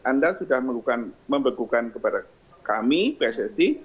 anda sudah membekukan kepada kami pssi